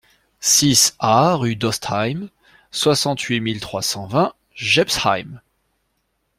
six A rue d'Ostheim, soixante-huit mille trois cent vingt Jebsheim